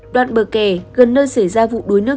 đoạn bờ kè gần nơi xảy ra vụ đuối nước